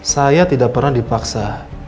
saya tidak pernah dipaksa